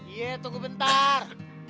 iya tunggu bentar